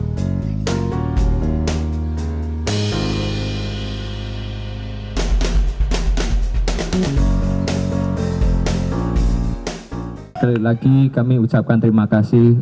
sekali lagi kami ucapkan terima kasih